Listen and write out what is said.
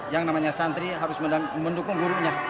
yang namanya santri harus mendukung gurunya